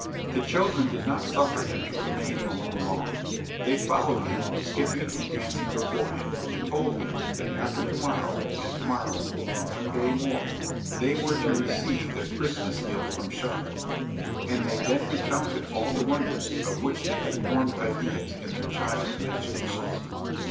The children did not suffer him to remain alone long. They followed him, skipping and dancing before him, and told him, that after to morrow and tomorrow and one day more, they were to receive their Christmas gift from Charlotte; and they then recounted all the wonders of which they had formed ideas in their child imaginations.